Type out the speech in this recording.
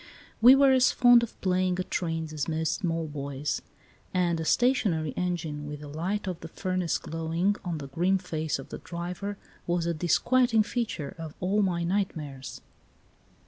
We were as fond of playing at trains as most small boys, and a stationary engine with the light of the furnace glowing on the grim face of the driver was a disquieting feature of all my nightmares.